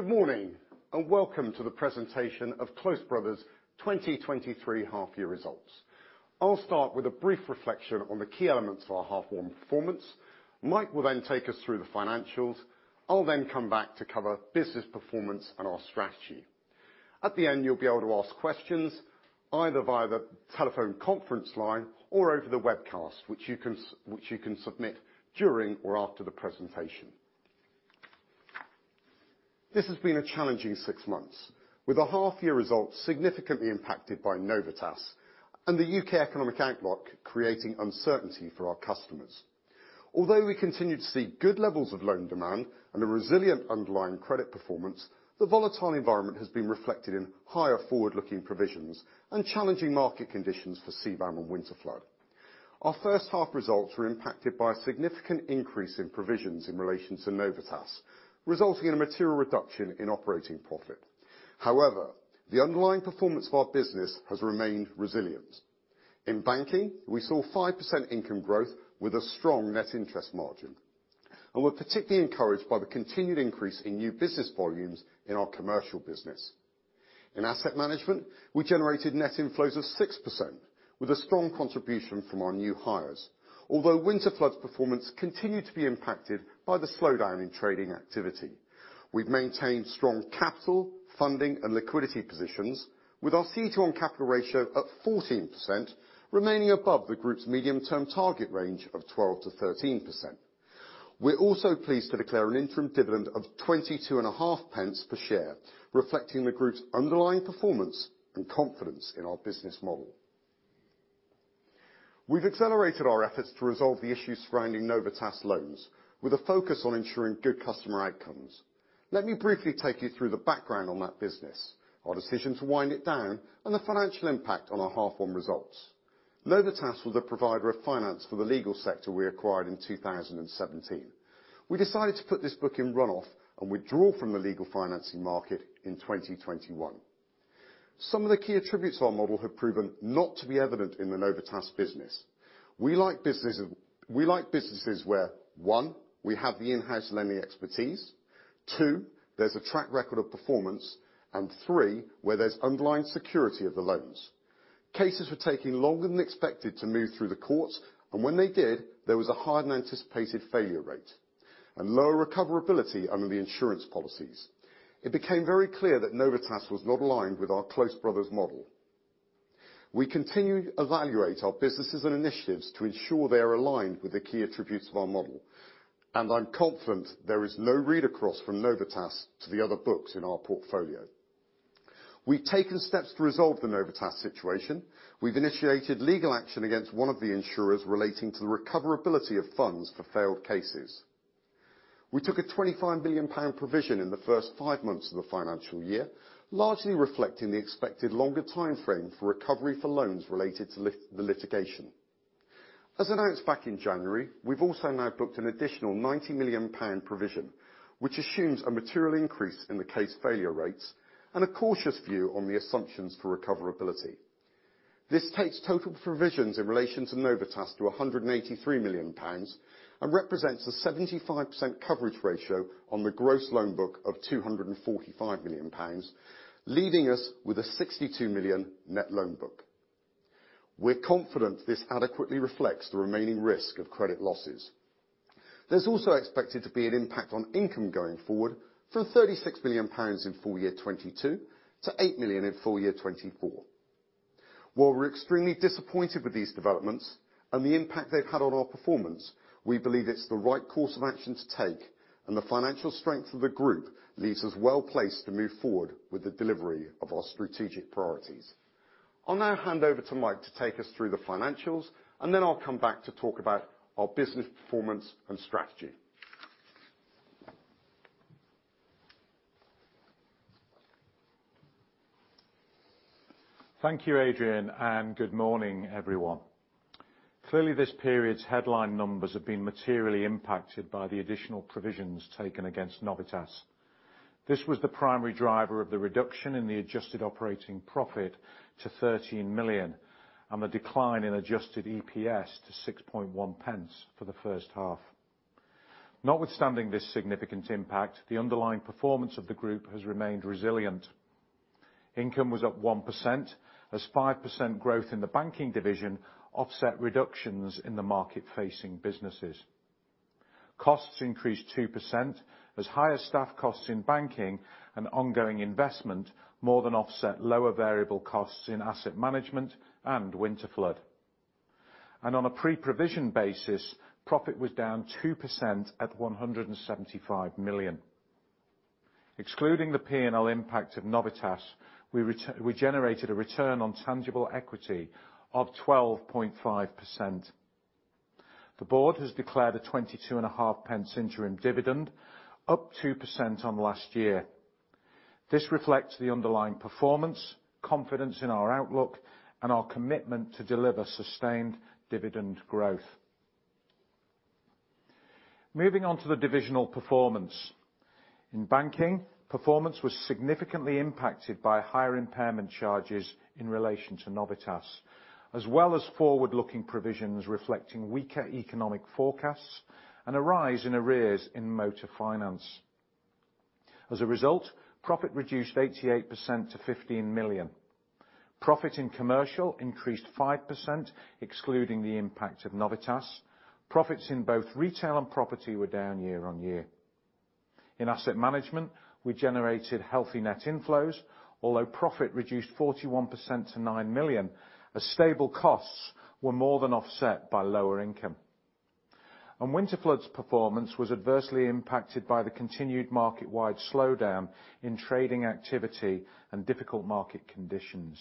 Good morning, and welcome to the presentation of Close Brothers' 2023 Half-Year Results. I'll start with a brief reflection on the key elements of our half one performance. Mike will then take us through the financials. I'll then come back to cover business performance and our strategy. At the end, you'll be able to ask questions either via the telephone conference line or over the webcast, which you can submit during or after the presentation. This has been a challenging six months, with the half-year results significantly impacted by Novitas and the U.K. economic outlook creating uncertainty for our customers. We continue to see good levels of loan demand and a resilient underlying credit performance, the volatile environment has been reflected in higher forward-looking provisions and challenging market conditions for CBAM and Winterflood. Our first half results were impacted by a significant increase in provisions in relation to Novitas, resulting in a material reduction in operating profit. The underlying performance of our business has remained resilient. In banking, we saw 5% income growth with a strong net interest margin, and we're particularly encouraged by the continued increase in new business volumes in our commercial business. In asset management, we generated net inflows of 6% with a strong contribution from our new hires. Winterflood's performance continued to be impacted by the slowdown in trading activity, we've maintained strong capital, funding, and liquidity positions with our CET1 capital ratio at 14%, remaining above the group's medium-term target range of 12%-13%. We're also pleased to declare an interim dividend of 0.225 per share, reflecting the group's underlying performance and confidence in our business model. We've accelerated our efforts to resolve the issues surrounding Novitas loans with a focus on ensuring good customer outcomes. Let me briefly take you through the background on that business, our decision to wind it down, and the financial impact on our half one results. Novitas was a provider of finance for the legal sector we acquired in 2017. We decided to put this book in run-off and withdraw from the legal financing market in 2021. Some of the key attributes our model had proven not to be evident in the Novitas business. We like business, we like businesses where, one, we have the in-house lending expertise, two, there's a track record of performance, and three, where there's underlying security of the loans. Cases were taking longer than expected to move through the courts, and when they did, there was a higher-than-anticipated failure rate and lower recoverability under the insurance policies. It became very clear that Novitas was not aligned with our Close Brothers model. We continue to evaluate our businesses and initiatives to ensure they are aligned with the key attributes of our model, and I'm confident there is no read-across from Novitas to the other books in our portfolio. We've taken steps to resolve the Novitas situation. We've initiated legal action against one of the insurers relating to the recoverability of funds for failed cases. We took a 25 million pound provision in the first five months of the financial year, largely reflecting the expected longer timeframe for recovery for loans related to the litigation. As announced back in January, we've also now booked an additional 90 million pound provision, which assumes a material increase in the case failure rates and a cautious view on the assumptions for recoverability. This takes total provisions in relation to Novitas to 183 million pounds and represents a 75% coverage ratio on the gross loan book of 245 million pounds, leaving us with a 62 million net loan book. We're confident this adequately reflects the remaining risk of credit losses. There's also expected to be an impact on income going forward from 36 million pounds in full year 2022 to 8 million in full year 2024. While we're extremely disappointed with these developments and the impact they've had on our performance, we believe it's the right course of action to take, and the financial strength of the group leaves us well placed to move forward with the delivery of our strategic priorities. I'll now hand over to Mike to take us through the financials, and then I'll come back to talk about our business performance and strategy. Thank you, Adrian. Good morning, everyone. Clearly, this period's headline numbers have been materially impacted by the additional provisions taken against Novitas. This was the primary driver of the reduction in the adjusted operating profit to 13 million and the decline in adjusted EPS to 0.061 for the first half. Notwithstanding this significant impact, the underlying performance of the group has remained resilient. Income was up 1% as 5% growth in the banking division offset reductions in the market-facing businesses. Costs increased 2% as higher staff costs in banking and ongoing investment more than offset lower variable costs in asset management and Winterflood. On a pre-provision basis, profit was down 2% at 175 million. Excluding the P&L impact of Novitas, we generated a Return on Tangible Equity of 12.5%. The board has declared a 0.225 interim dividend, up 2% on last year. This reflects the underlying performance, confidence in our outlook, and our commitment to deliver sustained dividend growth. Moving on to the divisional performance. In banking, performance was significantly impacted by higher impairment charges in relation to Novitas, as well as forward-looking provisions reflecting weaker economic forecasts and a rise in arrears in motor finance. As a result, profit reduced 88% to 15 million. Profit in commercial increased 5% excluding the impact of Novitas. Profits in both retail and property were down year-on-year. In asset management, we generated healthy net inflows, although profit reduced 41% to 9 million as stable costs were more than offset by lower income. Winterflood performance was adversely impacted by the continued market-wide slowdown in trading activity and difficult market conditions,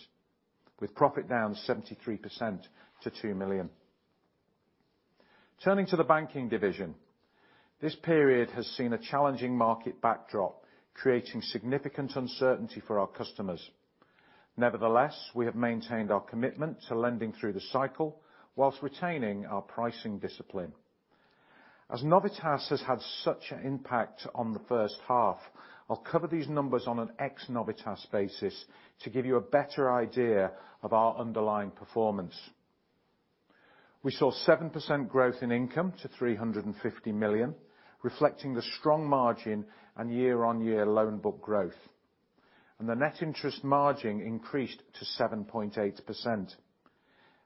with profit down 73% to 2 million. Turning to the banking division, this period has seen a challenging market backdrop, creating significant uncertainty for our customers. Nevertheless, we have maintained our commitment to lending through the cycle whilst retaining our pricing discipline. As Novitas has had such an impact on the first half, I'll cover these numbers on an ex Novitas basis to give you a better idea of our underlying performance. We saw 7% growth in income to 350 million, reflecting the strong margin and year-over-year loan book growth. The net interest margin increased to 7.8%.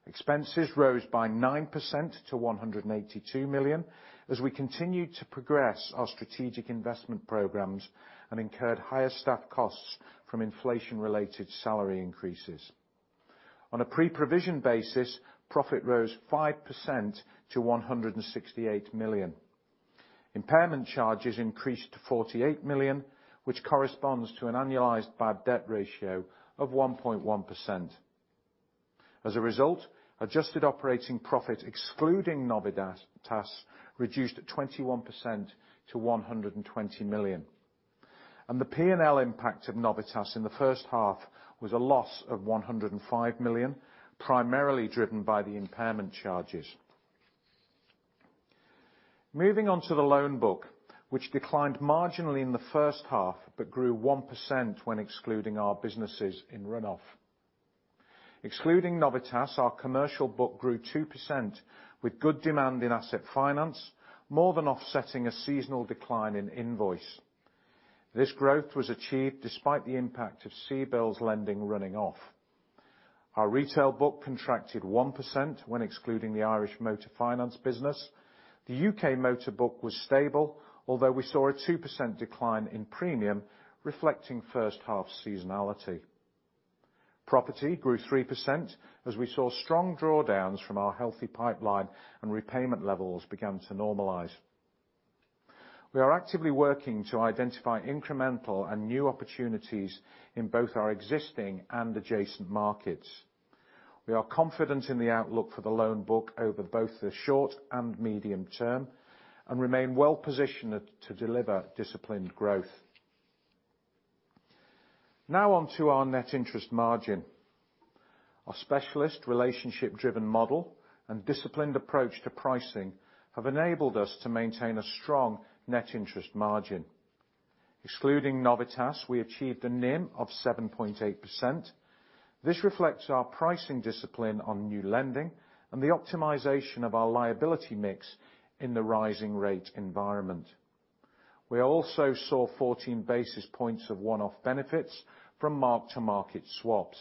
Expenses rose by 9% to 182 million as we continued to progress our strategic investment programs and incurred higher staff costs from inflation-related salary increases. On a pre-provision basis, profit rose 5% to 168 million. Impairment charges increased to 48 million, which corresponds to an annualized bad debt ratio of 1.1%. As a result, adjusted operating profit excluding Novitas reduced at 21% to 120 million. The P&L impact of Novitas in the first half was a loss of 105 million, primarily driven by the impairment charges. Moving on to the loan book, which declined marginally in the first half but grew 1% when excluding our businesses in run-off. Excluding Novitas, our commercial book grew 2% with good demand in asset finance, more than offsetting a seasonal decline in invoice. This growth was achieved despite the impact of CBILS lending running off. Our retail book contracted 1% when excluding the Irish motor finance business. The U.K. motor book was stable, although we saw a 2% decline in premium reflecting first half seasonality. Property grew 3% as we saw strong drawdowns from our healthy pipeline and repayment levels began to normalize. We are actively working to identify incremental and new opportunities in both our existing and adjacent markets. We are confident in the outlook for the loan book over both the short and medium term and remain well-positioned to deliver disciplined growth. On to our net interest margin. Our specialist relationship-driven model and disciplined approach to pricing have enabled us to maintain a strong net interest margin. Excluding Novitas, we achieved a NIM of 7.8%. This reflects our pricing discipline on new lending and the optimization of our liability mix in the rising rate environment. We also saw 14 basis points of one-off benefits from mark-to-market swaps.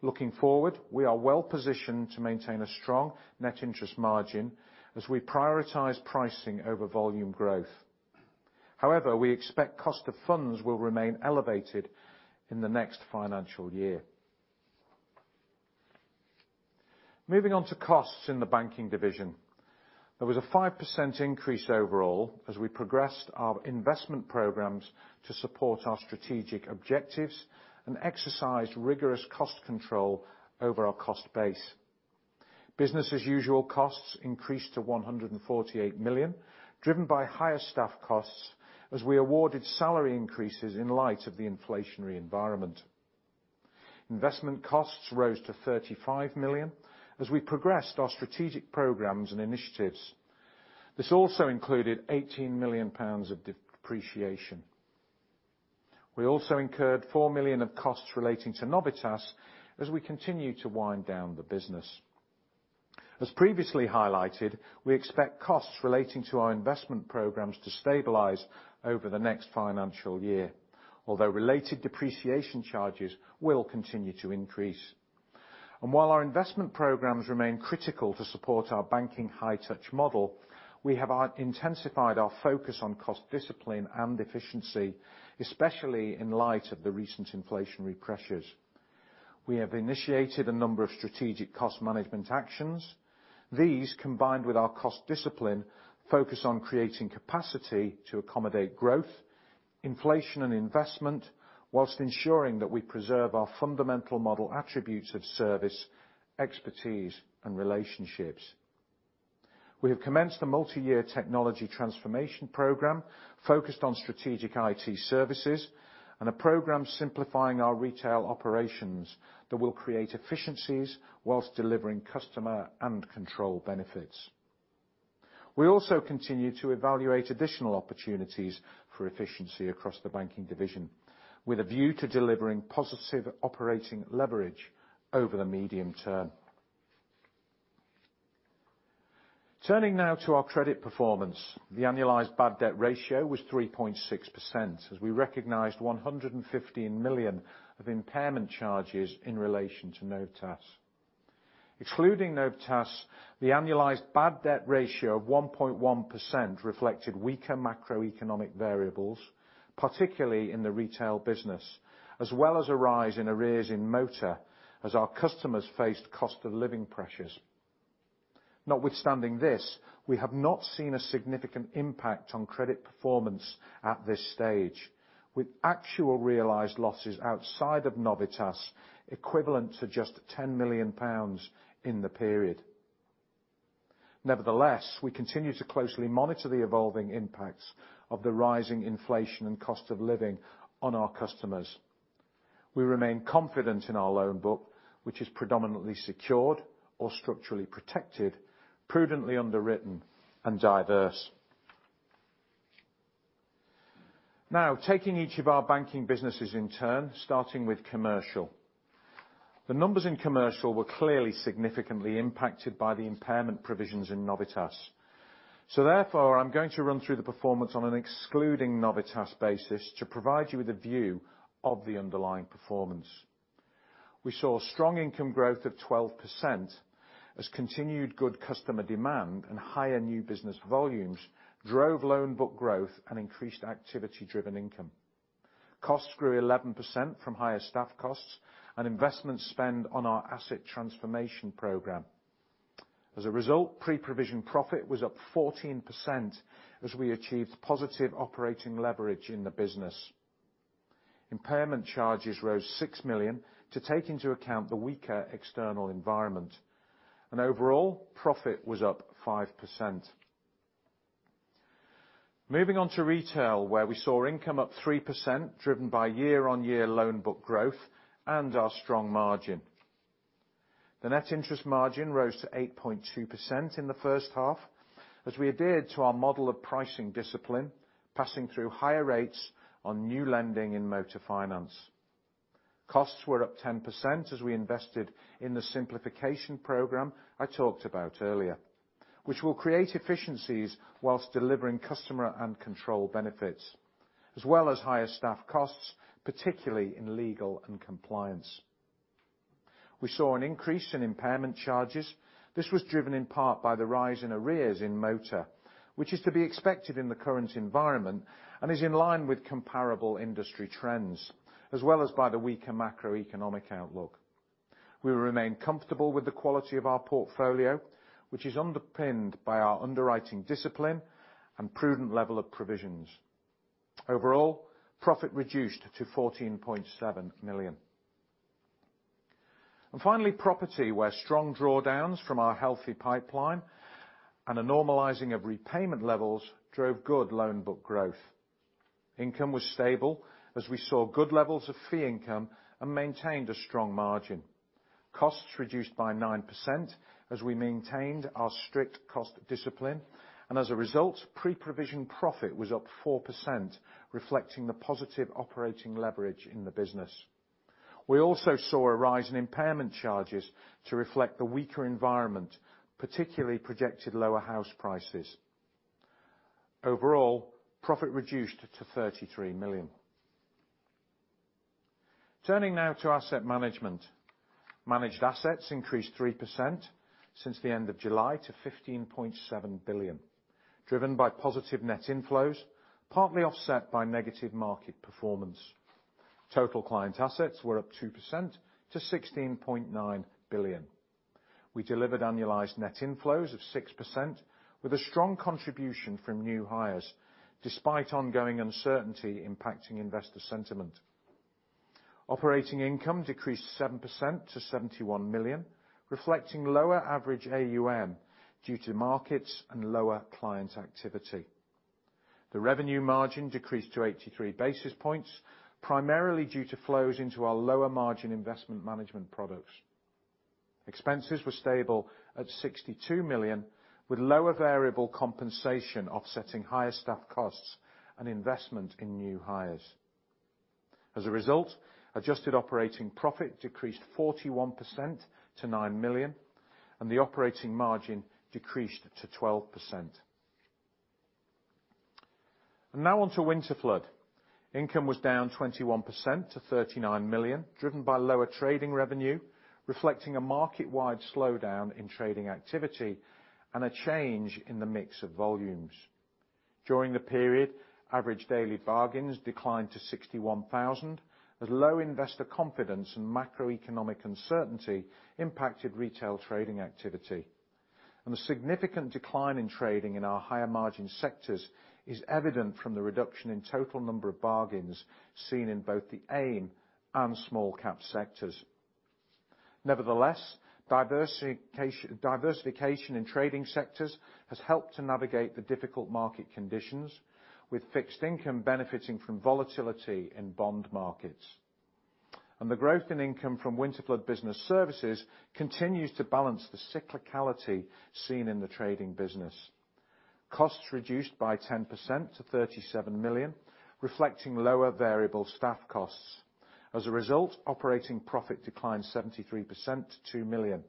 Looking forward, we are well-positioned to maintain a strong net interest margin as we prioritize pricing over volume growth. We expect cost of funds will remain elevated in the next financial year. Moving on to costs in the banking division. There was a 5% increase overall as we progressed our investment programs to support our strategic objectives and exercised rigorous cost control over our cost base. Business as usual costs increased to 148 million, driven by higher staff costs as we awarded salary increases in light of the inflationary environment. Investment costs rose to 35 million as we progressed our strategic programs and initiatives. This also included 18 million pounds of depreciation. We also incurred 4 million of costs relating to Novitas as we continue to wind down the business. As previously highlighted, we expect costs relating to our investment programs to stabilize over the next financial year, although related depreciation charges will continue to increase. While our investment programs remain critical to support our banking high touch model, we have intensified our focus on cost discipline and efficiency, especially in light of the recent inflationary pressures. We have initiated a number of strategic cost management actions. These, combined with our cost discipline, focus on creating capacity to accommodate growth, inflation, and investment while ensuring that we preserve our fundamental model attributes of service, expertise, and relationships. We have commenced a multi-year technology transformation program focused on strategic IT services and a program simplifying our retail operations that will create efficiencies while delivering customer and control benefits. We also continue to evaluate additional opportunities for efficiency across the banking division, with a view to delivering positive operating leverage over the medium term. Turning now to our credit performance. The annualized bad debt ratio was 3.6%, as we recognized 115 million of impairment charges in relation to Novitas. Excluding Novitas, the annualized bad debt ratio of 1.1% reflected weaker macroeconomic variables, particularly in the retail business, as well as a rise in arrears in motor as our customers faced cost of living pressures. Notwithstanding this, we have not seen a significant impact on credit performance at this stage, with actual realized losses outside of Novitas equivalent to just 10 million pounds in the period. Nevertheless, we continue to closely monitor the evolving impacts of the rising inflation and cost of living on our customers. We remain confident in our loan book, which is predominantly secured or structurally protected, prudently underwritten and diverse. Taking each of our banking businesses in turn, starting with commercial. The numbers in commercial were clearly significantly impacted by the impairment provisions in Novitas. Therefore, I'm going to run through the performance on an excluding Novitas basis to provide you with a view of the underlying performance. We saw strong income growth of 12% as continued good customer demand and higher new business volumes drove loan book growth and increased activity driven income. Costs grew 11% from higher staff costs and investment spend on our Asset Finance transformation programme. As a result, pre-provision profit was up 14% as we achieved positive operating leverage in the business. Impairment charges rose 6 million to take into account the weaker external environment. Overall, profit was up 5%. Moving on to retail, where we saw income up 3%, driven by year-over-year loan book growth and our strong margin. The net interest margin rose to 8.2% in the first half, as we adhered to our model of pricing discipline, passing through higher rates on new lending in motor finance. Costs were up 10% as we invested in the simplification program I talked about earlier, which will create efficiencies while delivering customer and control benefits, as well as higher staff costs, particularly in legal and compliance. We saw an increase in impairment charges. This was driven in part by the rise in arrears in motor, which is to be expected in the current environment and is in line with comparable industry trends, as well as by the weaker macroeconomic outlook. We remain comfortable with the quality of our portfolio, which is underpinned by our underwriting discipline and prudent level of provisions. Overall, profit reduced to 14.7 million. Finally, property, where strong drawdowns from our healthy pipeline and a normalizing of repayment levels drove good loan book growth. Income was stable as we saw good levels of fee income and maintained a strong margin. Costs reduced by 9% as we maintained our strict cost discipline. As a result, pre-provision profit was up 4%, reflecting the positive operating leverage in the business. We also saw a rise in impairment charges to reflect the weaker environment, particularly projected lower house prices. Overall, profit reduced to 33 million. Turning now to asset management. Managed assets increased 3% since the end of July to 15.7 billion, driven by positive net inflows, partly offset by negative market performance. Total client assets were up 2% to 16.9 billion. We delivered annualized net inflows of 6% with a strong contribution from new hires, despite ongoing uncertainty impacting investor sentiment. Operating income decreased 7% to 71 million, reflecting lower average AUM due to markets and lower client activity. The revenue margin decreased to 83 basis points, primarily due to flows into our lower margin investment management products. Expenses were stable at 62 million, with lower variable compensation offsetting higher staff costs and investment in new hires. As a result, adjusted operating profit decreased 41% to 9 million, and the operating margin decreased to 12%. Now on to Winterflood. Income was down 21% to 39 million, driven by lower trading revenue, reflecting a market-wide slowdown in trading activity and a change in the mix of volumes. During the period, average daily bargains declined to 61,000, as low investor confidence and macroeconomic uncertainty impacted retail trading activity. The significant decline in trading in our higher margin sectors is evident from the reduction in total number of bargains seen in both the AIM and small cap sectors. Nevertheless, diversification in trading sectors has helped to navigate the difficult market conditions, with fixed income benefiting from volatility in bond markets. The growth in income from Winterflood Business Services continues to balance the cyclicality seen in the trading business. As a result, operating profit declined 73% to 2 million.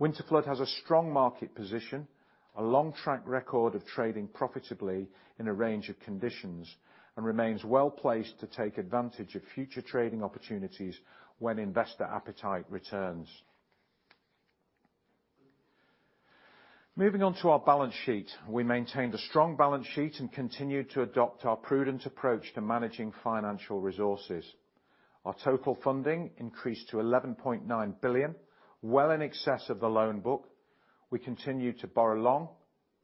Winterflood has a strong market position, a long track record of trading profitably in a range of conditions, and remains well-placed to take advantage of future trading opportunities when investor appetite returns. Moving on to our balance sheet. We maintained a strong balance sheet, and continued to adopt our prudent approach to managing financial resources. Our total funding increased to 11.9 billion, well in excess of the loan book. We continue to borrow long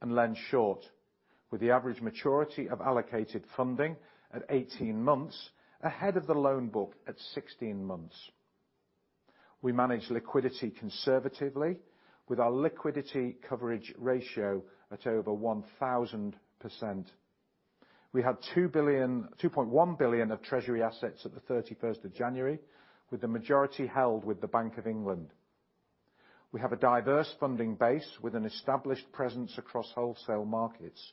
and lend short, with the average maturity of allocated funding at 18 months, ahead of the loan book at 16 months. We manage liquidity conservatively, with our liquidity coverage ratio at over 1,000%. We have 2.1 billion of treasury assets at the 31st of January, with the majority held with the Bank of England. We have a diverse funding base, with an established presence across wholesale markets,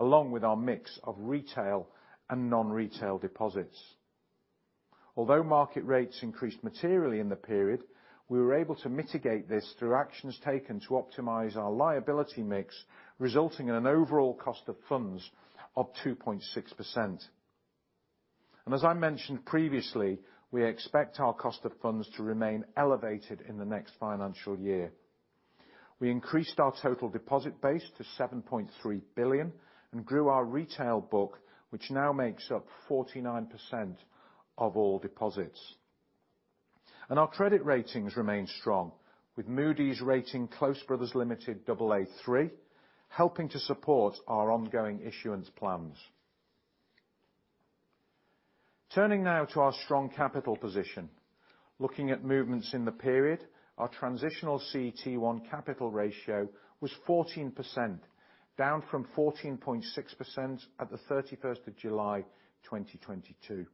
along with our mix of retail and non-retail deposits. Although market rates increased materially in the period, we were able to mitigate this through actions taken to optimize our liability mix, resulting in an overall cost of funds of 2.6%. As I mentioned previously, we expect our cost of funds to remain elevated in the next financial year. We increased our total deposit base to 7.3 billion, and grew our retail book, which now makes up 49% of all deposits. Our credit ratings remain strong, with Moody's rating Close Brothers Limited Aa3, helping to support our ongoing issuance plans. Turning now to our strong capital position. Looking at movements in the period, our transitional CET1 capital ratio was 14%, down from 14.6% at the 31st of July, 2022.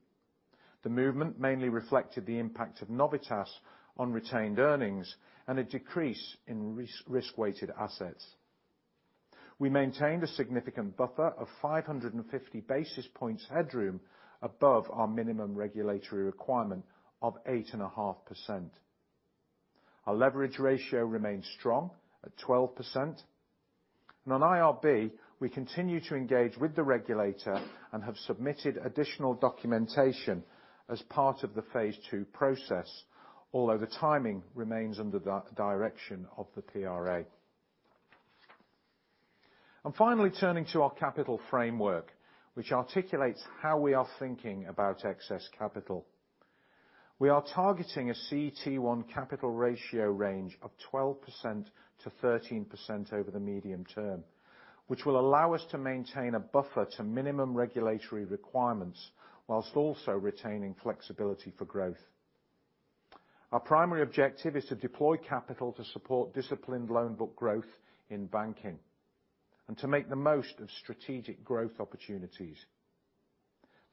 The movement mainly reflected the impact of Novitas on retained earnings, and a decrease in Risk-Weighted Assets. We maintained a significant buffer of 550 basis points headroom above our minimum regulatory requirement of 8.5%. Our leverage ratio remains strong at 12%. On IRB, we continue to engage with the regulator and have submitted additional documentation as part of the phase two process, although the timing remains under the direction of the PRA. Finally, turning to our capital framework, which articulates how we are thinking about excess capital. We are targeting a CET1 capital ratio range of 12%-13% over the medium term, which will allow us to maintain a buffer to minimum regulatory requirements, while also retaining flexibility for growth. Our primary objective is to deploy capital to support disciplined loan book growth in banking, and to make the most of strategic growth opportunities.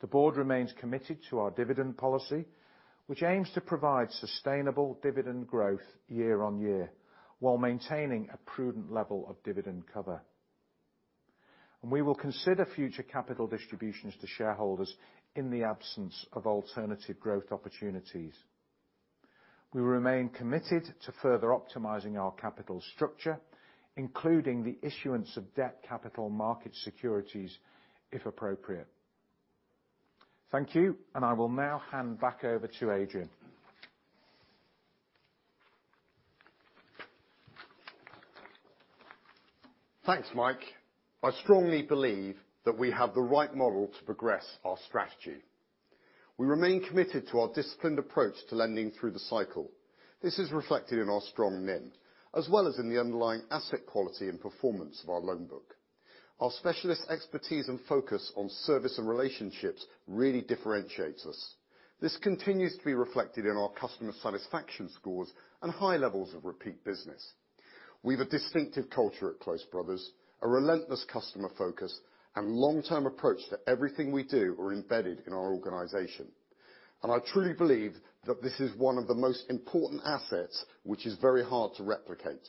The board remains committed to our dividend policy, which aims to provide sustainable dividend growth year-on-year, while maintaining a prudent level of dividend cover. We will consider future capital distributions to shareholders in the absence of alternative growth opportunities. We remain committed to further optimizing our capital structure, including the issuance of debt capital market securities if appropriate. Thank you, and I will now hand back over to Adrian. Thanks, Mike. I strongly believe that we have the right model to progress our strategy. We remain committed to our disciplined approach to lending through the cycle. This is reflected in our strong NIM, as well as in the underlying asset quality and performance of our loan book. Our specialist expertise and focus on service and relationships really differentiates us. This continues to be reflected in our customer satisfaction scores and high levels of repeat business. We've a distinctive culture at Close Brothers, a relentless customer focus, and long-term approach to everything we do are embedded in our organization. I truly believe that this is one of the most important assets, which is very hard to replicate.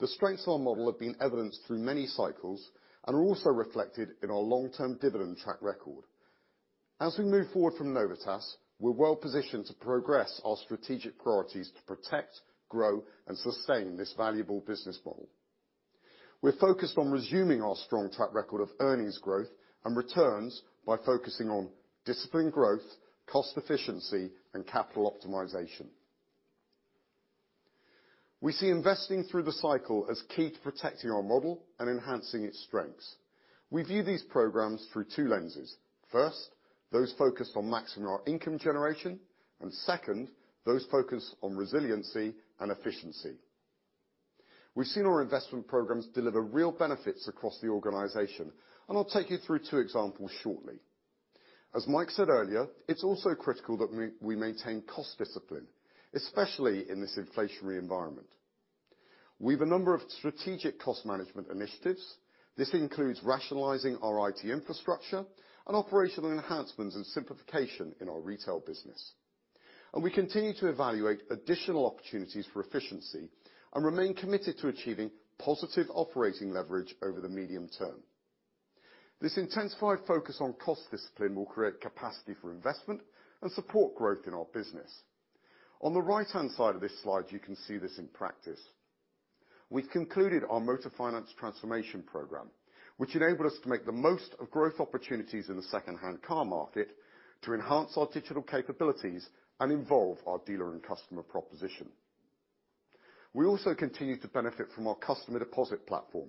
The strengths of our model have been evidenced through many cycles and are also reflected in our long-term dividend track record. As we move forward from Novitas, we're well-positioned to progress our strategic priorities to protect, grow, and sustain this valuable business model. We're focused on resuming our strong track record of earnings growth and returns by focusing on disciplined growth, cost efficiency, and capital optimization. We see investing through the cycle as key to protecting our model and enhancing its strengths. We view these programs through two lenses. First, those focused on maximizing our income generation. Second, those focused on resiliency and efficiency. We've seen our investment programs deliver real benefits across the organization. I'll take you through two examples shortly. As Mike said earlier, it's also critical that we maintain cost discipline, especially in this inflationary environment. We have a number of strategic cost management initiatives. This includes rationalizing our IT infrastructure and operational enhancements and simplification in our retail business. We continue to evaluate additional opportunities for efficiency and remain committed to achieving positive operating leverage over the medium term. This intensified focus on cost discipline will create capacity for investment and support growth in our business. On the right-hand side of this slide, you can see this in practice. We've concluded our motor finance transformation program, which enabled us to make the most of growth opportunities in the secondhand car market to enhance our digital capabilities and involve our dealer and customer proposition. We also continue to benefit from our customer deposit platform,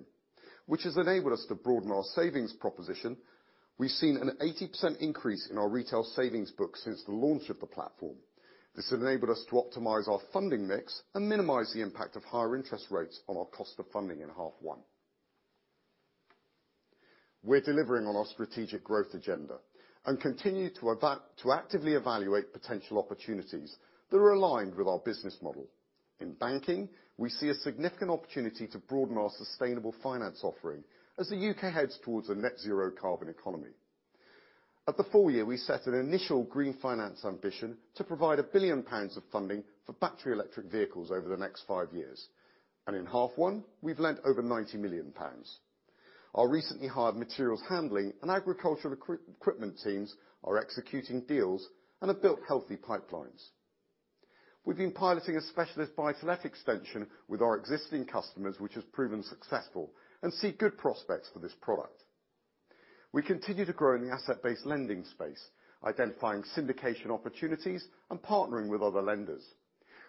which has enabled us to broaden our savings proposition. We've seen an 80% increase in our retail savings book since the launch of the platform. This enabled us to optimize our funding mix and minimize the impact of higher interest rates on our cost of funding in half one. We're delivering on our strategic growth agenda and continue to actively evaluate potential opportunities that are aligned with our business model. In banking, we see a significant opportunity to broaden our sustainable finance offering as the U.K. heads towards a net zero carbon economy. At the full year, we set an initial green finance ambition to provide 1 billion pounds of funding for battery electric vehicles over the next five years, and in half one, we've lent over 90 million pounds. Our recently hired materials handling and agricultural equipment teams are executing deals and have built healthy pipelines. We've been piloting a specialist buy-to-let extension with our existing customers, which has proven successful and see good prospects for this product. We continue to grow in the asset-based lending space, identifying syndication opportunities and partnering with other lenders.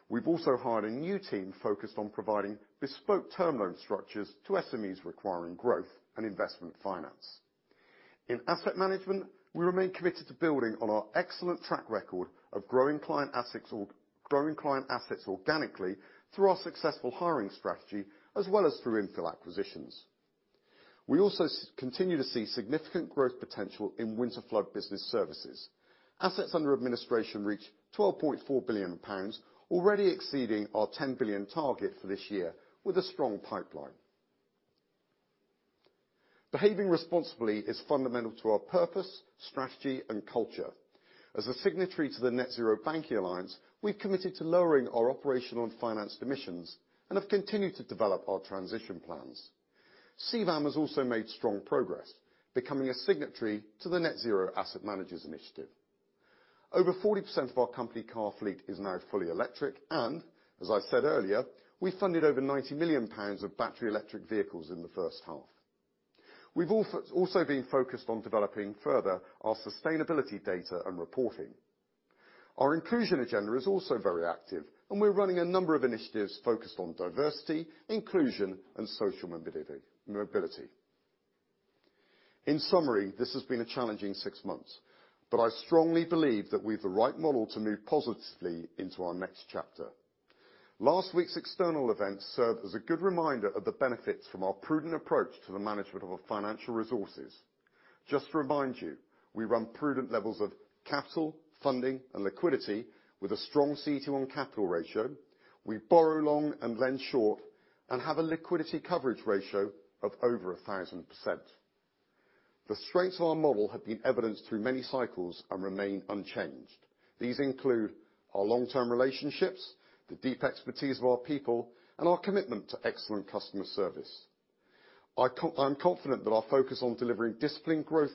We've also hired a new team focused on providing bespoke term loan structures to SMEs requiring growth and investment finance. In asset management, we remain committed to building on our excellent track record of growing client assets organically through our successful hiring strategy, as well as through infill acquisitions. We also continue to see significant growth potential in Winterflood Business Services. Assets under administration reach GBP 12.4 billion, already exceeding our GBP 10 billion target for this year with a strong pipeline. Behaving responsibly is fundamental to our purpose, strategy, and culture. As a signatory to the Net Zero Banking Alliance, we've committed to lowering our operational and financed emissions and have continued to develop our transition plans. CBAM has also made strong progress, becoming a signatory to the Net Zero Asset Managers initiative. Over 40% of our company car fleet is now fully electric. As I said earlier, we funded over 90 million pounds of battery electric vehicles in the first half. We've also been focused on developing further our sustainability data and reporting. Our inclusion agenda is also very active. We're running a number of initiatives focused on diversity, inclusion, and social mobility. In summary, this has been a challenging six months. I strongly believe that we have the right model to move positively into our next chapter. Last week's external events served as a good reminder of the benefits from our prudent approach to the management of our financial resources. Just to remind you, we run prudent levels of capital, funding, and liquidity with a strong CET1 capital ratio. We borrow long and lend short and have a liquidity coverage ratio of over 1,000%. The strengths of our model have been evidenced through many cycles and remain unchanged. These include our long-term relationships, the deep expertise of our people, and our commitment to excellent customer service. I'm confident that our focus on delivering disciplined growth,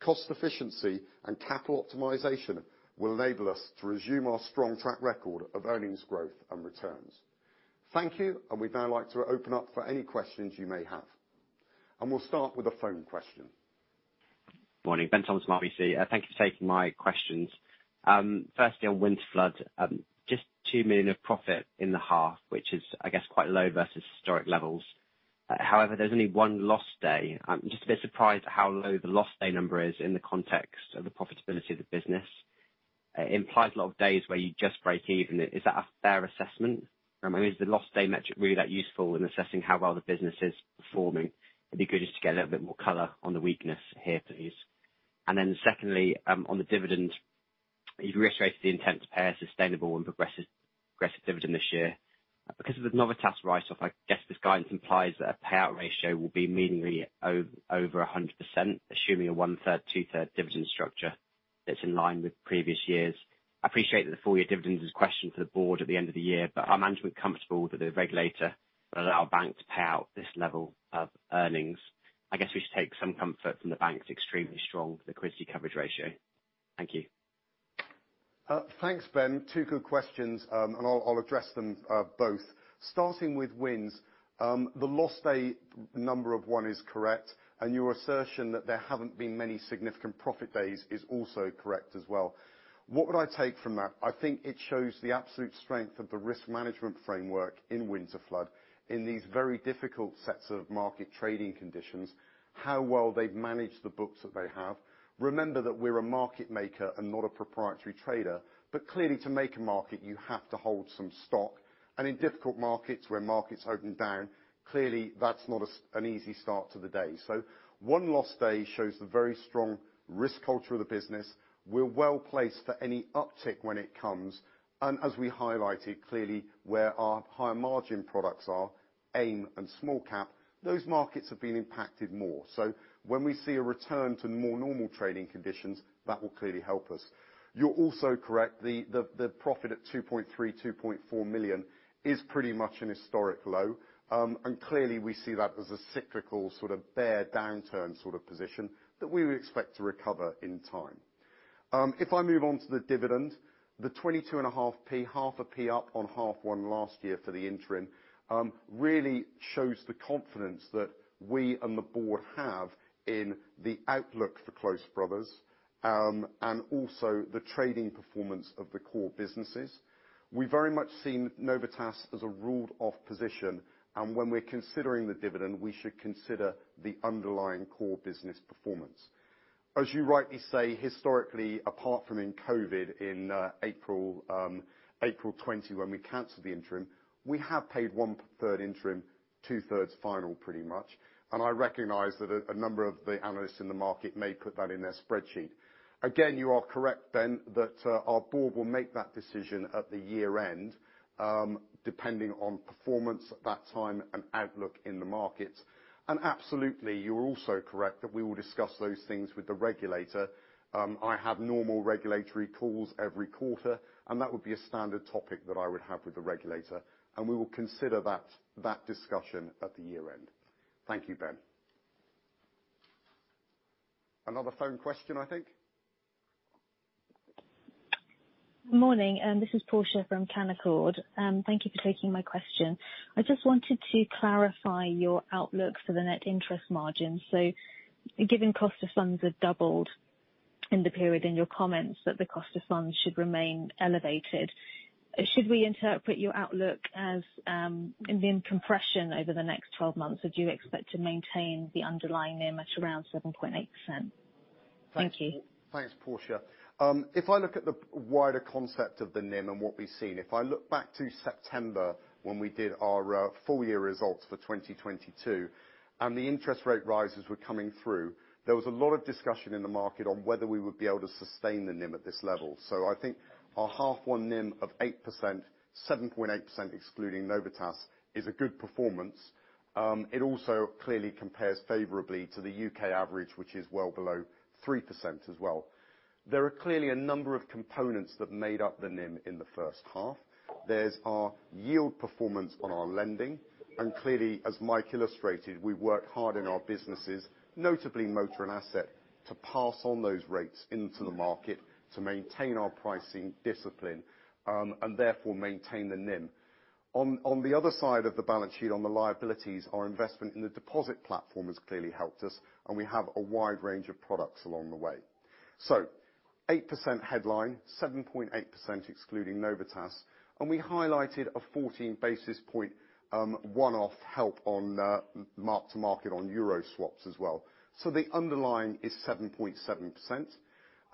cost efficiency, and capital optimization will enable us to resume our strong track record of earnings growth and returns. Thank you, and we'd now like to open up for any questions you may have. We'll start with a phone question. Morning. Benjamin Toms, RBC. Thank you for taking my questions. Firstly on Winterflood, just 2 million of profit in the half, which is, I guess, quite low versus historic levels. However, there's only one loss day. I'm just a bit surprised at how low the loss day number is in the context of the profitability of the business. It implies a lot of days where you just break even. Is that a fair assessment? I mean, is the loss day metric really that useful in assessing how well the business is performing? It'd be good just to get a little bit more color on the weakness here, please. Secondly, on the dividend, you've reiterated the intent to pay a sustainable and progressive dividend this year. Because of the Novitas write-off, I guess this guidance implies that a payout ratio will be meaningfully over 100%, assuming a 1/3, 2/3 dividend structure that's in line with previous years. I appreciate that the full-year dividend is a question for the board at the end of the year, but are management comfortable that the regulator will allow bank to pay out this level of earnings? I guess we should take some comfort from the bank's extremely strong liquidity coverage ratio. Thank you. Thanks, Ben. Two good questions. I'll address them both. Starting with wins, the loss day number of one is correct, and your assertion that there haven't been many significant profit days is also correct as well. What would I take from that? I think it shows the absolute strength of the risk management framework in Winterflood in these very difficult sets of market trading conditions, how well they've managed the books that they have. Remember that we're a market maker and not a proprietary trader, but clearly, to make a market, you have to hold some stock. In difficult markets, where markets open down. Clearly, that's not an easy start to the day. One lost day shows the very strong risk culture of the business. We're well-placed for any uptick when it comes. As we highlighted, clearly where our higher margin products are, AIM and small cap, those markets have been impacted more. When we see a return to more normal trading conditions, that will clearly help us. You're also correct, the profit at 2.3 million-2.4 million is pretty much an historic low. Clearly we see that as a cyclical sort of bear downturn sort of position that we would expect to recover in time. If I move on to the dividend, the 0.225, GBP0.005 up on H1 last year for the interim, really shows the confidence that we and the board have in the outlook for Close Brothers, and also the trading performance of the core businesses. We've very much seen Novitas as a ruled-off position, and when we're considering the dividend, we should consider the underlying core business performance. As you rightly say, historically, apart from in COVID in April 20 when we canceled the interim, we have paid one-third interim, two thirds final, pretty much. I recognize that a number of the analysts in the market may put that in their spreadsheet. Again, you are correct, Ben, that our board will make that decision at the year-end, depending on performance at that time and outlook in the market. Absolutely, you're also correct that we will discuss those things with the regulator. I have normal regulatory calls every quarter, and that would be a standard topic that I would have with the regulator, and we will consider that discussion at the year-end. Thank you, Ben. Another phone question, I think. Morning, this is Portia from Canaccord. Thank you for taking my question. I just wanted to clarify your outlook for the net interest margin. Given cost of funds have doubled in the period in your comments that the cost of funds should remain elevated, should we interpret your outlook as NIM compression over the next 12 months as you expect to maintain the underlying NIM at around 7.8%? Thank you. Thanks, Portia. If I look at the wider concept of the NIM and what we've seen, if I look back to September when we did our full year results for 2022 and the interest rate rises were coming through, there was a lot of discussion in the market on whether we would be able to sustain the NIM at this level. I think our half one NIM of 8%, 7.8% excluding Novitas, is a good performance. It also clearly compares favorably to the U.K. average, which is well below 3% as well. There are clearly a number of components that made up the NIM in the first half. There's our yield performance on our lending. Clearly, as Mike illustrated, we work hard in our businesses, notably motor and asset, to pass on those rates into the market to maintain our pricing discipline, and therefore maintain the NIM. On the other side of the balance sheet on the liabilities, our investment in the deposit platform has clearly helped us, and we have a wide range of products along the way. 8% headline, 7.8% excluding Novitas, and we highlighted a 14 basis point one-off help on mark-to-market on euro swaps as well. The underlying is 7.7%.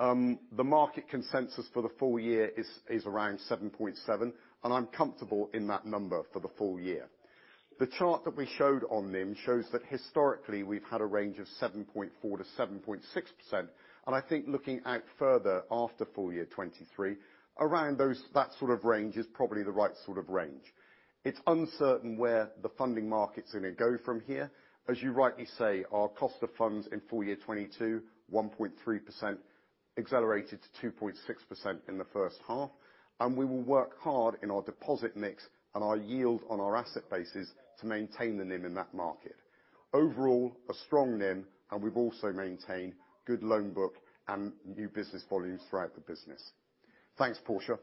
The market consensus for the full year is around 7.7%, and I'm comfortable in that number for the full year. The chart that we showed on NIM shows that historically we've had a range of 7.4%-7.6%, I think looking out further after full year 2023, around those, that sort of range is probably the right sort of range. It's uncertain where the funding market's gonna go from here. As you rightly say, our cost of funds in full year 2022, 1.3%, accelerated to 2.6% in the first half. We will work hard in our deposit mix and our yield on our asset bases to maintain the NIM in that market. Overall, a strong NIM. We've also maintained good loan book and new business volumes throughout the business. Thanks, Portia.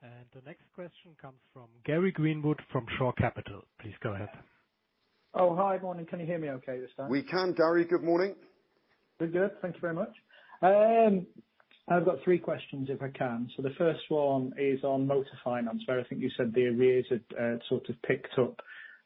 The next question comes from Gary Greenwood from Shore Capital. Please go ahead. Oh, hi. Morning. Can you hear me okay this time? We can, Gary. Good morning. Very good. Thank you very much. I've got three questions, if I can. The first one is on motor finance where I think you said the arrears had sort of picked up.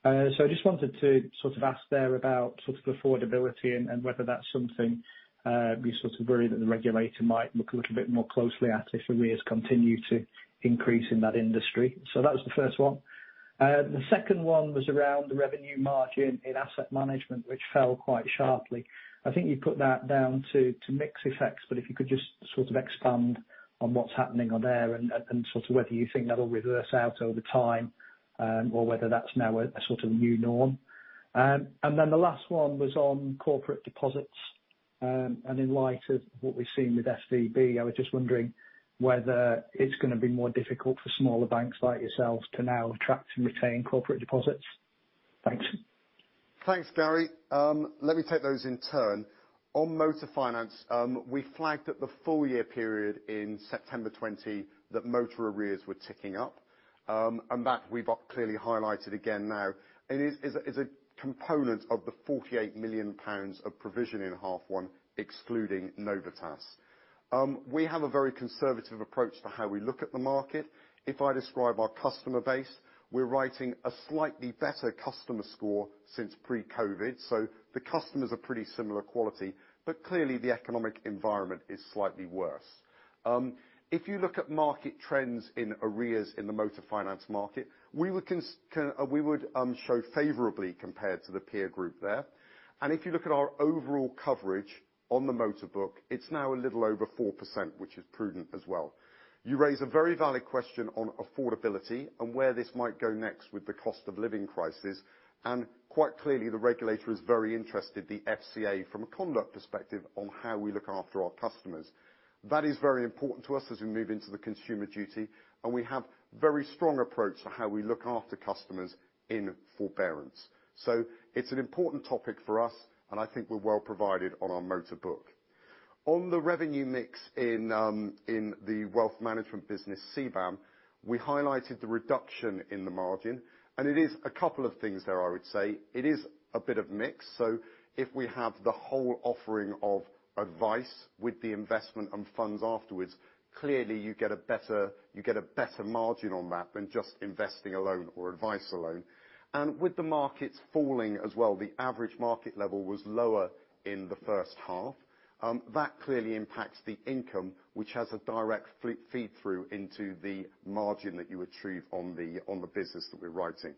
I just wanted to sort of ask there about sort of affordability and whether that's something you're sort of worried that the regulator might look a little bit more closely at if arrears continue to increase in that industry. That was the first one. The second one was around the revenue margin in asset management, which fell quite sharply. I think you put that down to mix effects, but if you could just sort of expand on what's happening on there and sort of whether you think that'll reverse out over time, or whether that's now a sort of new norm. Then the last one was on corporate deposits. In light of what we've seen with SVB, I was just wondering whether it's going to be more difficult for smaller banks like yourselves to now attract and retain corporate deposits. Thanks. Thanks, Gary. Let me take those in turn. On motor finance, we flagged at the full-year period in September 2020 that motor arrears were ticking up. That we've clearly highlighted again now. Is a component of the 48 million pounds of provision in half one, excluding Novitas. We have a very conservative approach to how we look at the market. If I describe our customer base, we're writing a slightly better customer score since pre-COVID. The customers are pretty similar quality, but clearly the economic environment is slightly worse. If you look at market trends in arrears in the motor finance market, we would show favorably compared to the peer group there. If you look at our overall coverage on the motor book, it's now a little over 4%, which is prudent as well. You raise a very valid question on affordability and where this might go next with the cost of living crisis. Quite clearly the regulator is very interested, the FCA from a conduct perspective on how we look after our customers. That is very important to us as we move into the Consumer Duty, and we have very strong approach to how we look after customers in forbearance. It's an important topic for us, and I think we're well provided on our motor book. On the revenue mix in the wealth management business, CBAM, we highlighted the reduction in the margin. It is a couple of things there I would say. It is a bit of mix. If we have the whole offering of advice with the investment and funds afterwards, clearly you get a better margin on that than just investing alone or advice alone. With the markets falling as well, the average market level was lower in the first half. That clearly impacts the income, which has a direct flip feed through into the margin that you retrieve on the business that we're writing.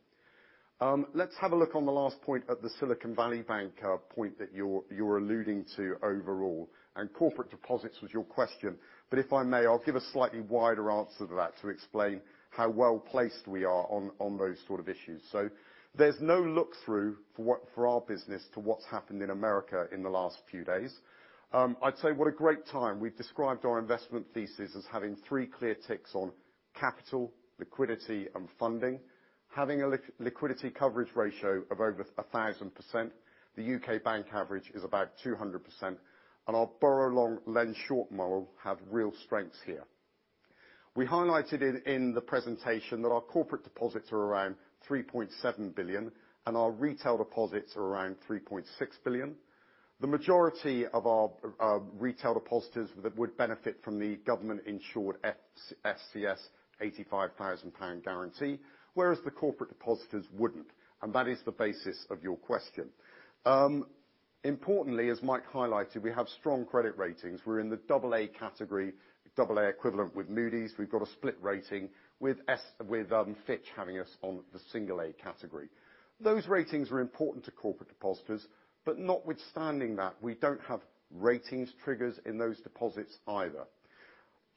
Let's have a look on the last point at the Silicon Valley Bank point that you're alluding to overall, and corporate deposits was your question, but if I may, I'll give a slightly wider answer to that to explain how well-placed we are on those sort of issues. There's no look-through for what, for our business to what's happened in America in the last few days. I'd say what a great time. We've described our investment thesis as having three clear ticks on capital, liquidity, and funding. Having a liquidity coverage ratio of over 1,000%, the U.K. bank average is about 200%. Our borrow long, lend short model have real strengths here. We highlighted in the presentation that our corporate deposits are around 3.7 billion and our retail deposits are around 3.6 billion. The majority of our retail depositors that would benefit from the government-insured FSCS 85,000 pound guarantee, whereas the corporate depositors wouldn't. That is the basis of your question. Importantly, as Mike highlighted, we have strong credit ratings. We're in the double A category, double A equivalent with Moody's. We've got a split rating with S&P, with Fitch having us on the single A category. Those ratings are important to corporate depositors, notwithstanding that, we don't have ratings triggers in those deposits either.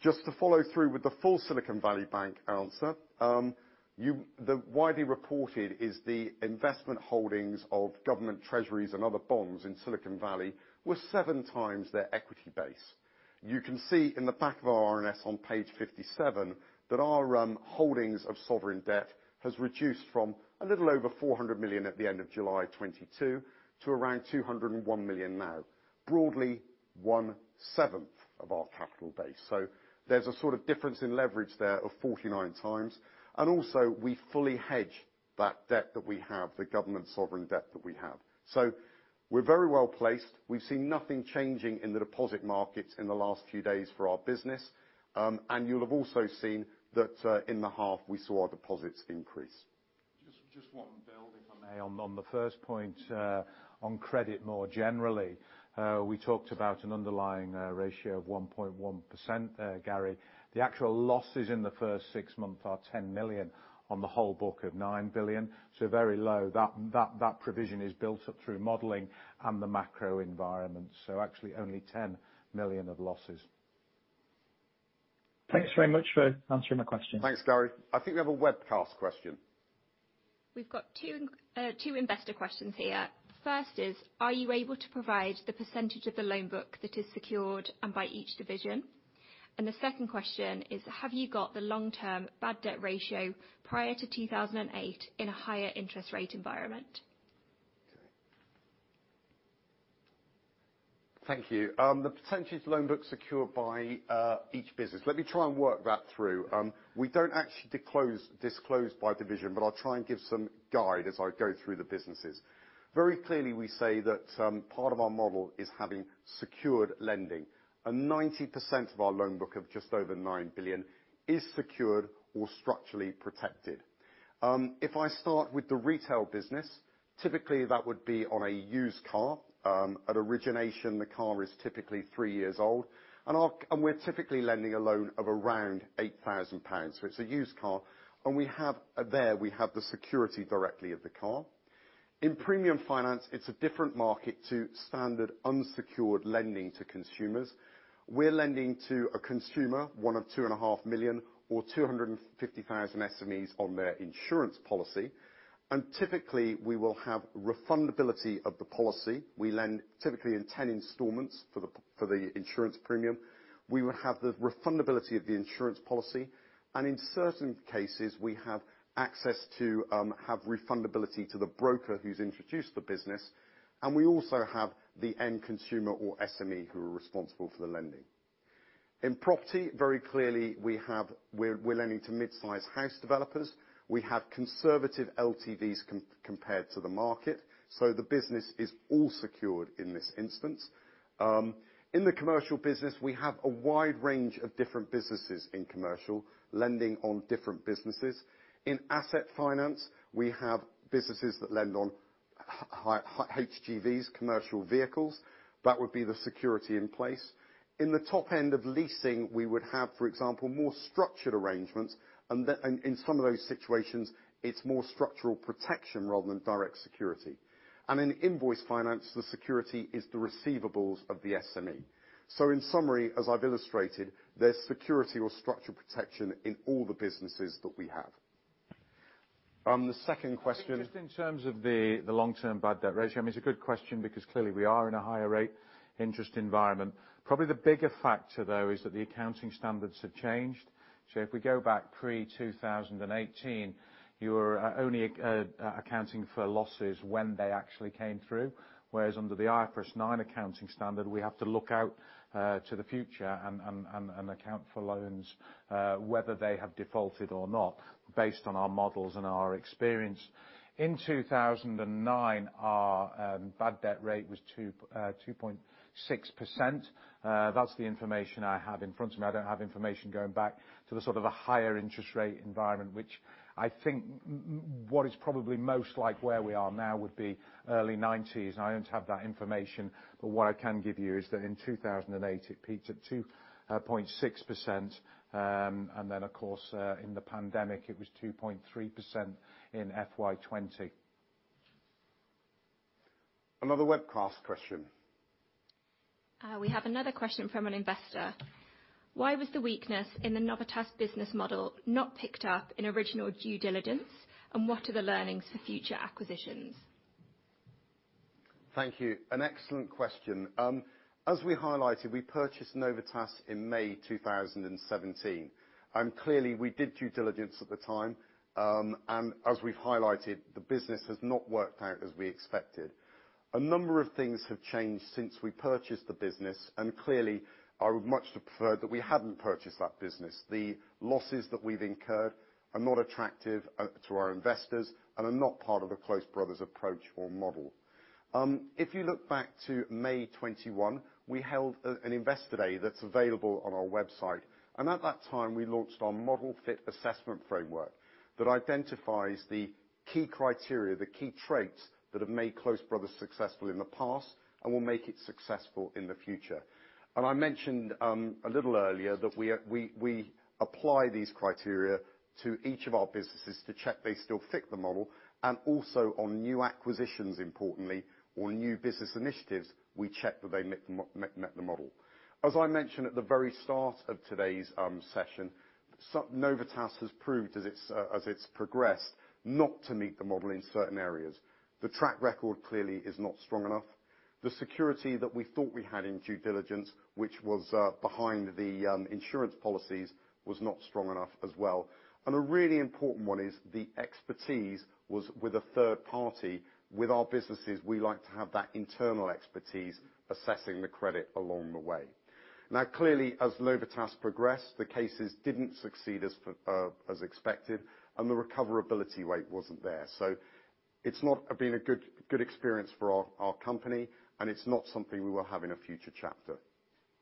Just to follow through with the full Silicon Valley Bank answer, the widely reported is the investment holdings of government treasuries and other bonds in Silicon Valley were seven times their equity base. You can see in the back of our RNS on page 57 that our holdings of sovereign debt has reduced from a little over 400 million at the end of July 2022 to around 201 million now. Broadly one-seventh of our capital base. There's a sort of difference in leverage there of 49 times, and also we fully hedge that debt that we have, the government sovereign debt that we have. We're very well placed. We've seen nothing changing in the deposit markets in the last few days for our business. You'll have also seen that in the half we saw deposits increase. Just one, Bill, if I may. On the first point, on credit more generally, we talked about an underlying ratio of 1.1% there, Gary. The actual losses in the first six months are 10 million on the whole book of 9 billion, so very low. That provision is built up through modeling and the macro environment. Actually only 10 million of losses. Thanks very much for answering my question. Thanks, Gary. I think we have a webcast question. We've got two investor questions here. First is, are you able to provide the percentage of the loan book that is secured and by each division? The second question is, have you got the long-term bad debt ratio prior to 2008 in a higher interest rate environment? Thank you. The percentage of loan book secured by each business. Let me try and work that through. We don't actually disclose by division, but I'll try and give some guide as I go through the businesses. Very clearly, we say that part of our model is having secured lending, and 90% of our loan book of just over 9 billion is secured or structurally protected. If I start with the retail business, typically that would be on a used car. At origination, the car is typically three years old, and we're typically lending a loan of around 8,000 pounds. It's a used car, and we have, there, we have the security directly of the car. In premium finance, it's a different market to standard unsecured lending to consumers. We're lending to a consumer, one of 2.5 million or 250,000 SMEs on their insurance policy. Typically, we will have refundability of the policy. We lend typically in 10 installments for the insurance premium. We will have the refundability of the insurance policy, and in certain cases, we have access to have refundability to the broker who's introduced the business, and we also have the end consumer or SME who are responsible for the lending. In property, very clearly, we're lending to mid-sized house developers. We have conservative LTVs compared to the market, so the business is all secured in this instance. In the commercial business, we have a wide range of different businesses in commercial, lending on different businesses. In Asset Finance, we have businesses that lend on high HGVs, commercial vehicles. That would be the security in place. In the top end of leasing, we would have, for example, more structured arrangements. In some of those situations, it's more structural protection rather than direct security. In invoice finance, the security is the receivables of the SME. In summary, as I've illustrated, there's security or structural protection in all the businesses that we have. The second question. Just in terms of the long-term bad debt ratio, I mean, it's a good question because clearly we are in a higher rate interest environment. Probably the bigger factor though is that the accounting standards have changed. If we go back pre-2018, you're only accounting for losses when they actually came through, whereas under the IFRS 9 accounting standard, we have to look out to the future and account for loans whether they have defaulted or not based on our models and our experience. In 2009, our bad debt rate was 2.6%. That's the information I have in front of me. I don't have information going back to the sort of a higher interest rate environment, which I think what is probably most like where we are now would be early 90s, and I don't have that information. What I can give you is that in 2008, it peaked at 2.6%, and then of course, in the pandemic, it was 2.3% in FY 2020. Another webcast question. We have another question from an investor. Why was the weakness in the Novitas business model not picked up in original due diligence? What are the learnings for future acquisitions? Thank you. An excellent question. As we highlighted, we purchased Novitas in May 2017. Clearly, we did due diligence at the time. As we've highlighted, the business has not worked out as we expected. A number of things have changed since we purchased the business. Clearly, I would much have preferred that we hadn't purchased that business. The losses that we've incurred are not attractive to our investors and are not part of the Close Brothers approach or model. If you look back to May 2021, we held an investor day that's available on our website. At that time, we launched our model fit assessment framework that identifies the key criteria, the key traits that have made Close Brothers successful in the past and will make it successful in the future. I mentioned a little earlier that we apply these criteria to each of our businesses to check they still fit the model and also on new acquisitions, importantly, or new business initiatives, we check that they met the model. I mentioned at the very start of today's session, Novitas has proved as it's progressed, not to meet the model in certain areas. The track record clearly is not strong enough. The security that we thought we had in due diligence, which was behind the insurance policies, was not strong enough as well. A really important one is the expertise was with a third party. With our businesses, we like to have that internal expertise assessing the credit along the way. Clearly, as Novitas progressed, the cases didn't succeed as expected, and the recoverability rate wasn't there. It's not been a good experience for our company, and it's not something we will have in a future chapter.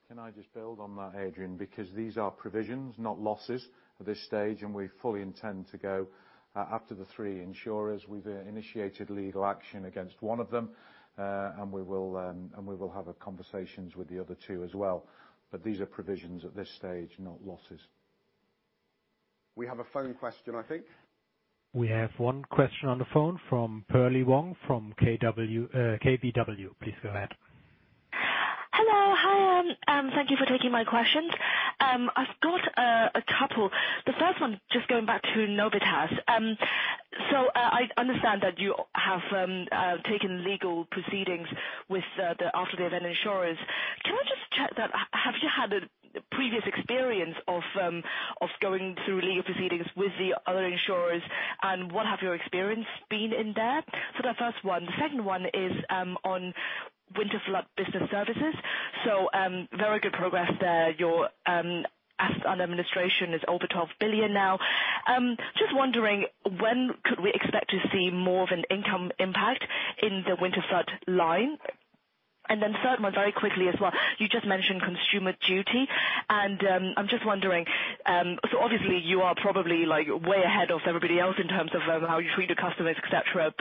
Can I just build on that, Adrian? These are provisions, not losses at this stage, and we fully intend to go after the three insurers. We've initiated legal action against one of them, and we will have conversations with the other two as well. These are provisions at this stage, not losses. We have a phone question, I think. We have one question on the phone from Perlie Mong from KBW. Please go ahead. Hello. Hi, thank you for taking my questions. I've got a couple. The first one, just going back to Novitas. I understand that you have taken legal proceedings with the after the event insurers. Can I just check that, have you had previous experience of going through legal proceedings with the other insurers, what have your experience been in there? That's the first one. The second one is on Winterflood Business Services. Very good progress there. Your Assets Under Administration is over 12 billion now. Just wondering, when could we expect to see more of an income impact in the Winterflood line? Third one, very quickly as well. You just mentioned Consumer Duty, and I'm just wondering, obviously you are probably, like, way ahead of everybody else in terms of how you treat your customers, et cetera.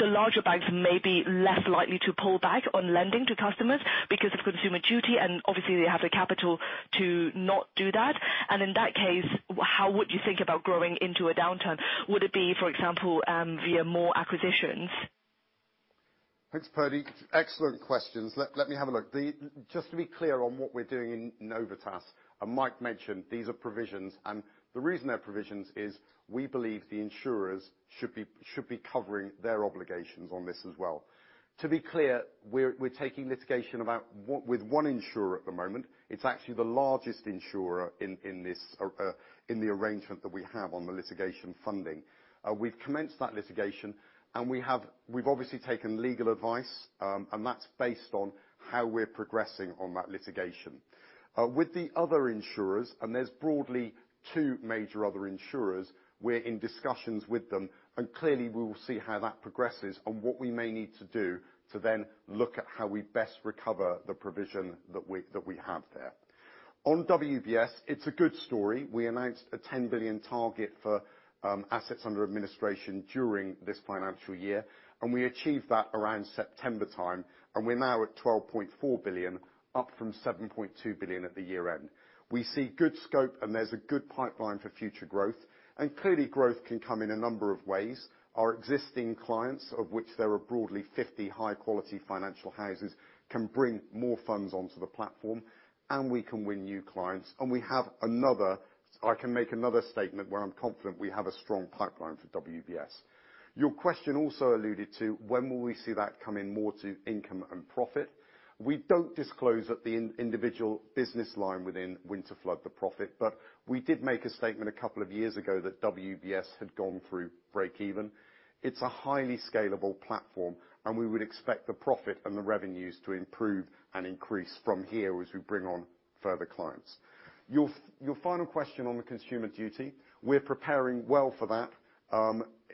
The larger banks may be less likely to pull back on lending to customers because of Consumer Duty, and obviously they have the capital to not do that. In that case, how would you think about growing into a downturn? Would it be, for example, via more acquisitions? Thanks, Perlie. Excellent questions. Let me have a look. Just to be clear on what we're doing in Novitas, Mike mentioned, these are provisions, and the reason they're provisions is we believe the insurers should be covering their obligations on this as well. To be clear, we're taking litigation with one insurer at the moment. It's actually the largest insurer in this arrangement that we have on the litigation funding. We've commenced that litigation, and we've obviously taken legal advice, and that's based on how we're progressing on that litigation. With the other insurers, there's broadly two major other insurers, we're in discussions with them. Clearly we will see how that progresses and what we may need to do to then look at how we best recover the provision that we have there. On WBS, it's a good story. We announced a 10 billion target for Assets Under Administration during this financial year. We achieved that around September time. We're now at 12.4 billion, up from 7.2 billion at the year-end. We see good scope. There's a good pipeline for future growth. Clearly growth can come in a number of ways. Our existing clients, of which there are broadly 50 high-quality financial houses, can bring more funds onto the platform. We can win new clients. I can make another statement where I'm confident we have a strong pipeline for WBS. Your question also alluded to when will we see that come in more to income and profit. We don't disclose at the individual business line within Winterflood, the profit, but we did make a statement a couple of years ago that WBS had gone through breakeven. It's a highly scalable platform. We would expect the profit and the revenues to improve and increase from here as we bring on further clients. Your final question on the Consumer Duty, we're preparing well for that.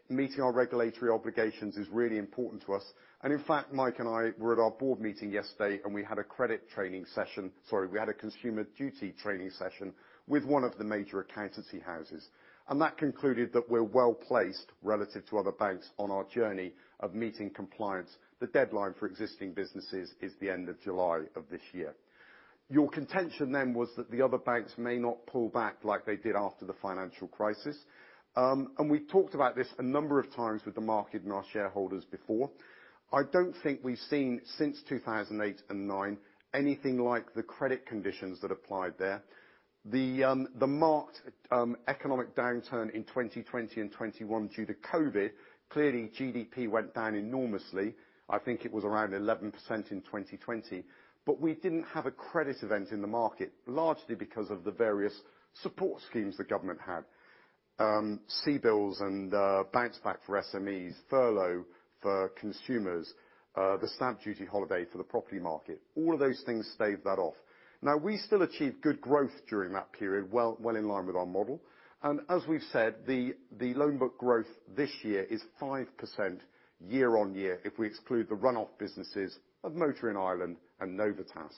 Meeting our regulatory obligations is really important to us. In fact, Mike and I were at our board meeting yesterday, and we had a credit training session. Sorry, we had a Consumer Duty training session with one of the major accountancy houses. That concluded that we're well-placed relative to other banks on our journey of meeting compliance. The deadline for existing businesses is the end of July of this year. Your contention then was that the other banks may not pull back like they did after the financial crisis. We talked about this a number of times with the market and our shareholders before. I don't think we've seen since 2008 and 2009 anything like the credit conditions that applied there. The marked economic downturn in 2020 and 2021 due to COVID, clearly GDP went down enormously. I think it was around 11% in 2020. We didn't have a credit event in the market, largely because of the various support schemes the government had. CBILS and Bounce Back for SMEs, Furlough for consumers, the Stamp Duty holiday for the property market. All of those things staved that off. We still achieved good growth during that period, well, well in line with our model. As we've said, the loan book growth this year is 5% year-on-year if we exclude the run-off businesses of Motor in Ireland and Novitas.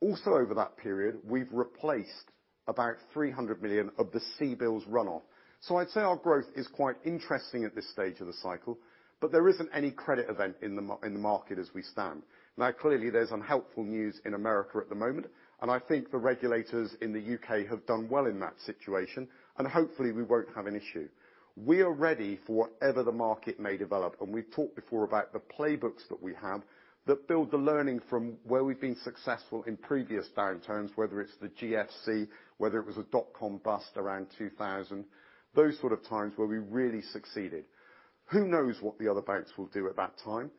Also, over that period, we've replaced about 300 million of the CBILS run-off. I'd say our growth is quite interesting at this stage of the cycle, but there isn't any credit event in the market as we stand. Clearly, there's unhelpful news in America at the moment, and I think the regulators in the U.K. have done well in that situation, and hopefully we won't have an issue. We are ready for whatever the market may develop. We've talked before about the playbooks that we have that build the learning from where we've been successful in previous downturns, whether it's the GFC, whether it was a dot-com bust around 2000, those sort of times where we really succeeded. Who knows what the other banks will do at that time?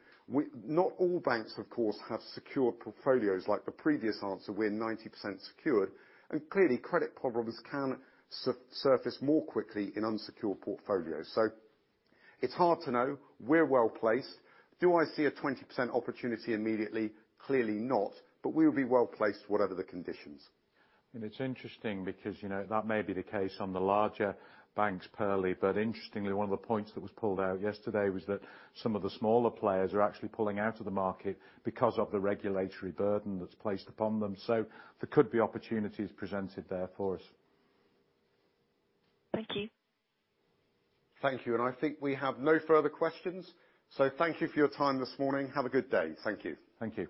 Not all banks, of course, have secure portfolios like the previous answer. We're 90% secured. Clearly credit problems can surface more quickly in unsecured portfolios. It's hard to know. We're well-placed. Do I see a 20% opportunity immediately? Clearly not. We'll be well-placed whatever the conditions. It's interesting because, you know, that may be the case on the larger banks, Perlie, but interestingly, one of the points that was pulled out yesterday was that some of the smaller players are actually pulling out of the market because of the regulatory burden that's placed upon them. There could be opportunities presented there for us. Thank you. Thank you. I think we have no further questions. Thank you for your time this morning. Have a good day. Thank you. Thank you.